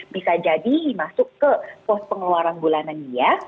bisa jadi masuk ke pos pengeluaran bulanan dia